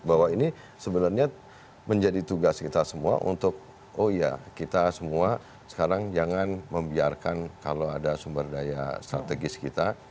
bahwa ini sebenarnya menjadi tugas kita semua untuk oh ya kita semua sekarang jangan membiarkan kalau ada sumber daya strategis kita